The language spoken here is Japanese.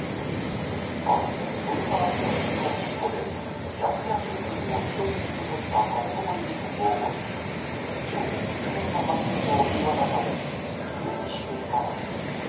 愛知県豊川市の信用金庫で客や職員を人質に取った立てこもり事件を起こし、懲役９年の判決を言い渡され、服役していたのです。